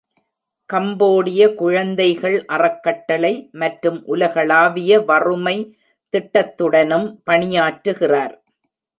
கம்போடிய குழந்தைகள் அறக்கட்டளை மற்றும் உலகளாவிய வறுமை திட்டத்துடனும் பணியாற்றுகிறார்.